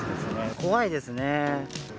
怖いですね。